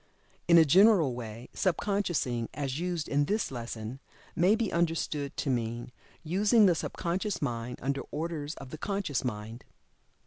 In a general way, "Sub consciousing," as used in this lesson, may be understood to mean "using the subconscious mind, under orders of the conscious mind."